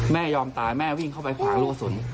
ยอมตายแม่วิ่งเข้าไปขวารูกระสุน